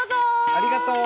ありがとう！